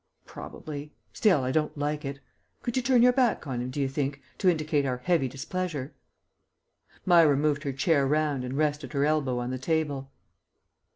"Probably; still, I don't like it. Could you turn your back on him, do you think, to indicate our heavy displeasure?" Myra moved her chair round and rested her elbow on the table.